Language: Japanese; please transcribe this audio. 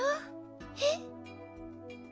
えっ？